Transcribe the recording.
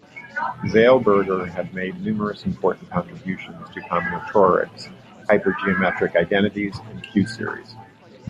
Zeilberger has made numerous important contributions to combinatorics, hypergeometric identities, and q-series.